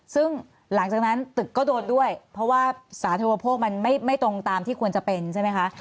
ซึ่งหลังจากนั้นตึกก็โดนด้วยเพราะว่าสาธุโภคมันไม่ตรงตามที่ควรจะเป็นใช่ไหมคะ